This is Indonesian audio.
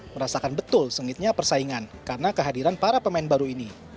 merasakan betul sengitnya persaingan karena kehadiran para pemain baru ini